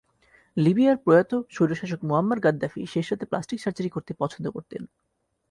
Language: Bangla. লিবিয়ার প্রয়াত স্বৈরশাসক মুয়াম্মার গাদ্দাফি শেষ রাতে প্লাস্টিক সার্জারি করতে পছন্দ করতেন।